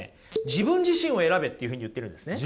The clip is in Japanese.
「自分自身を選べ」というふうに言ってるんですね。